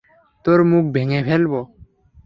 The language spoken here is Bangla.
তোর মুখ ভেঙে ফেলবো!